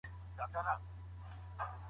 دا کار د شريعت له احکامو سره مخالفت دی.